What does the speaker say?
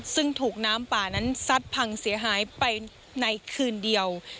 ซึ่งถูกน้ำป่านั้นซัดพังเสียหายไปในคืนเดียว